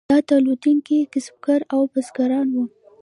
دا تولیدونکي کسبګر او بزګران وو.